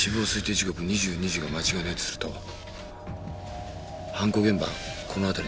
時刻２２時が間違いないとすると犯行現場はこの辺りだよ。